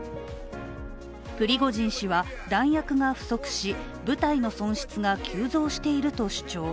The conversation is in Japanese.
プリゴジン氏は弾薬が不足し部隊の損失が急増していると主張。